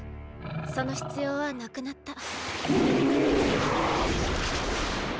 その必要はなくなった。